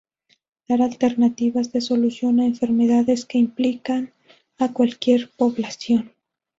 Dar alternativas de solución a enfermedades que implican a cualquier población.